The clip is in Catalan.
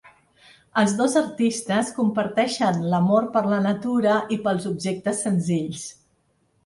Els dos artistes comparteixen l’amor per la natura i pels objectes senzills.